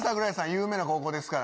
有名な高校ですからね。